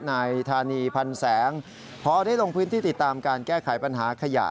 นายธานีพันแสงพอได้ลงพื้นที่ติดตามการแก้ไขปัญหาขยะ